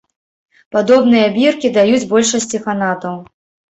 Падобныя біркі даюць большасці фанатаў.